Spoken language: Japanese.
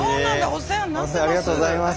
お世話になってます。